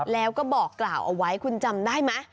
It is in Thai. แล้วก็บอกกล่าวเอาไว้คุณจำได้ไหม